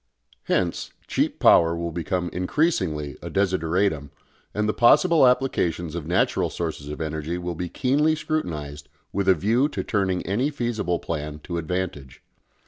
Hence cheap power will become increasingly a desideratum, and the possible applications of natural sources of energy will be keenly scrutinised with a view to turning any feasible plan to advantage.